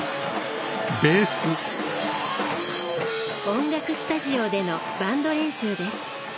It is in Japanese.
音楽スタジオでのバンド練習です。